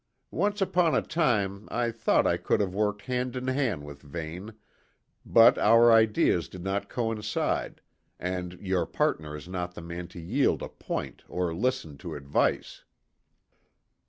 Once upon a time, I thought I could have worked hand in hand with Vane; but our ideas did not coincide, and your partner is not the man to yield a point or listen to advice."